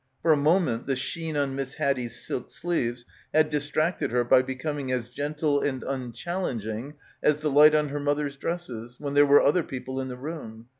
For a moment the sheen on Miss Haddie's silk sleeves had distracted her by becoming as gentle and unchallenging as the light on her mother's dresses when there were other people in the room.